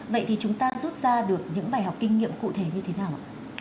vậy thì chúng ta rút ra được những bài học kinh nghiệm cụ thể như thế nào ạ